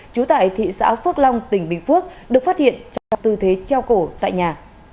trú tại thị xã phước long tỉnh bình phước được phát hiện trong tư thế treo cổ tại nhà